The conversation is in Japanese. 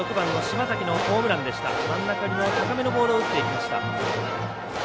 真ん中、高めのボールを打っていきました。